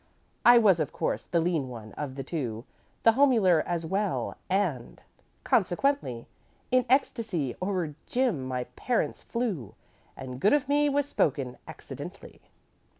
"'I was, of course, the lean one of the two, The homelier as well, and consequently In ecstasy o'er Jim my parents flew, And good of me was spoken accident'ly.